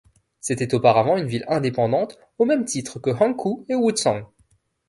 C'était auparavant une ville indépendante, au même titre que Hankou et Wuchang.